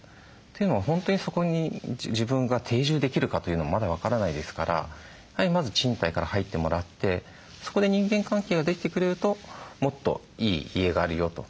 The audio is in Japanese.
というのは本当にそこに自分が定住できるかというのもまだ分からないですからまず賃貸から入ってもらってそこで人間関係ができてくれるともっといい家があるよと。